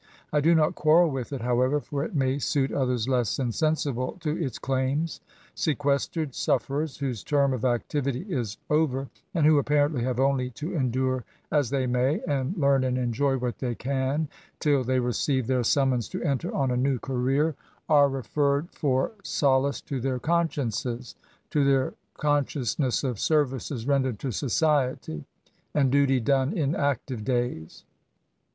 I do not quarrel with it, however, for it may suit others less insensible to its claims. Sequesteired sufferers, whose term of activity is over, and who apparently have only to endure as they may, and learn and enjoy what they can, till they receive their summons to enter on a new career, are SYMPATHY 1^ TSS INVALID. 10 referred for Solace to didir cbiisciences — ^to A^ conscidtisisisfis ^df services render^ tb sodety, and daty done in active 'days.